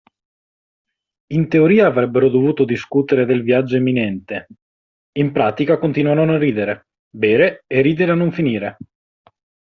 In teoria avrebbero dovuto discutere del viaggio imminente, in pratica continuarono a ridere, bere e ridere a non finire.